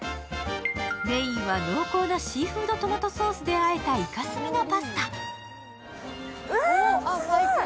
メーンは濃厚なシーフド・トマトソースであえたイカ墨のパスタ。